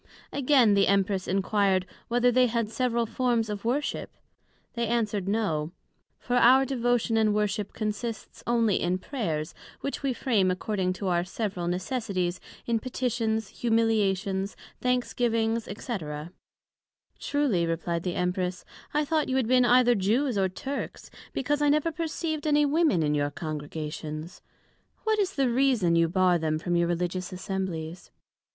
Again, the Empress enquired, Whether they had several Forms of Worship? They answered, No: For our Devotion and Worship consists onely in Prayers, which we frame according to our several Necessities, in Petitions, Humiliations, Thanksgiving, &c. Truly, replied the Empress, I thought you had been either Jews, or Turks, because I never perceived any Women in your Congregations: But what is the reason, you bar them from your religious Assemblies?